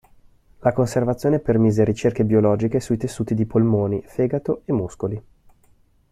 La conservazione permise ricerche biologiche sui tessuti di polmoni, fegato e muscoli.